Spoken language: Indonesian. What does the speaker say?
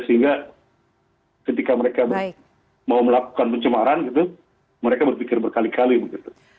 sehingga ketika mereka mau melakukan pencemaran gitu mereka berpikir berkali kali begitu